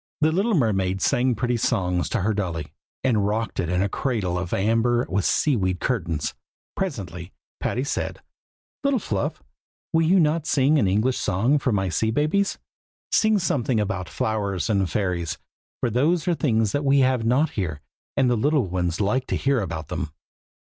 The little mermaid sang pretty songs to her dolly, and rocked it in a cradle of amber with sea weed curtains. Presently Patty said, "Little Fluff, will you not sing an English song for my sea babies? sing something about flowers and fairies, for those are things that we have not here, and the little ones like to hear about them."